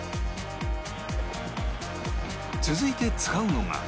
続いて使うのが